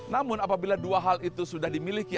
namun apabila dua hal itu sudah dimiliki